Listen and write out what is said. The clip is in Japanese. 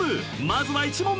［まずは１問目］